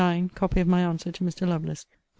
Copy of my answer to Mr. Lovelace ...